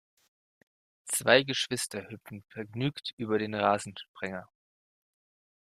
Zwei Geschwister hüpfen vergnügt über den Rasensprenger.